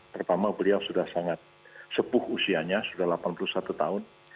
pertama beliau sudah sangat sepuh usianya sudah delapan puluh satu tahun